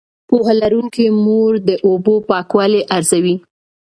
پوهه لرونکې مور د اوبو پاکوالی ارزوي.